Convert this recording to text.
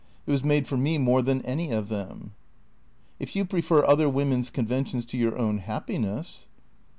It was made for me more than any of them." " If you prefer other women's conventions to your own hap piness."